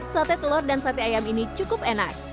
sate telur dan sate ayam ini cukup enak